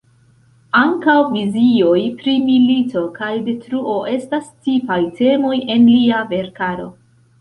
Ankaŭ vizioj pri milito kaj detruo estas tipaj temoj en lia verkaro.